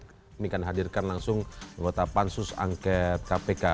kami akan hadirkan langsung anggota pansus angket kpk